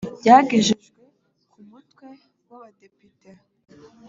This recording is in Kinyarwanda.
byagejejwe ku mutwe w’abadepite